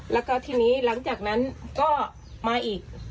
แล้วก็ทีนี้หลังจากนั้นก็มาอีก